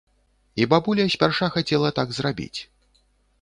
І бабуля спярша хацела так зрабіць.